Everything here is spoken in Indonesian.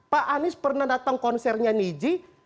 pak anies pernah datang konsernya niji